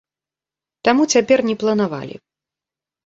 Таму цяпер не планавалі.